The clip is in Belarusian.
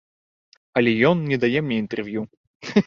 Але ён не дае мне інтэрв'ю.